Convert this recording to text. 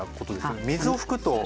水を拭くと何が。